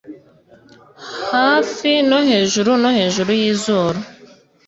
hafi no hejuru no hejuru yizuru